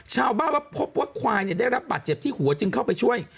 ชาวบ้านว่าพบว่าควายได้รับบาดเจ็บที่หัวจึงเข้าไปช่วย